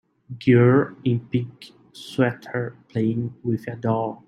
Girl in pink sweater, playing with a doll.